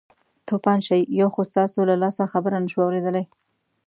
توپان شئ یو خو ستاسو له لاسه خبره نه شوو اورېدلی.